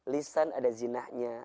lisan ada zinahnya